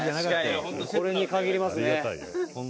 「これに限りますね」